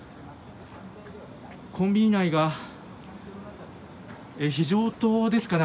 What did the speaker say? コンビニ内が、非常灯ですかね